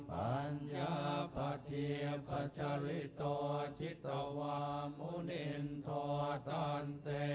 ปัญญาปฏิปัจจริตวจิตวมุนินโทตันเต